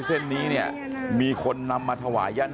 สวัสดีครับคุณผู้ชาย